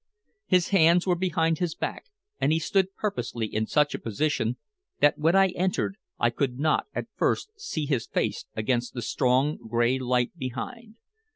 His hands were behind his back, and he stood purposely in such a position that when I entered I could not at first see his face against the strong, gray light behind.